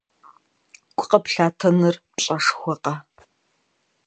Гу къыплъатэныр пщӀэшхуэкъэ!